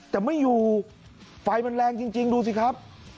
แต่ไม่อยู่ไฟมันแรงจริงดูสิครับ